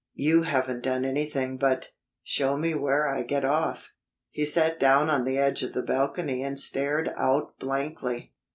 "You haven't done anything but show me where I get off." He sat down on the edge of the balcony and stared out blankly.